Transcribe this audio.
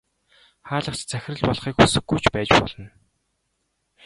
Хаалгач захирал болохыг хүсэхгүй ч байж болно.